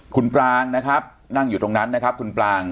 คุณปรางนะครับนั่งอยู่ตรงนั้นนะครับคุณปราง